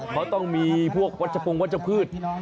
เขาต้องมีพวกวัชปงวัชพืช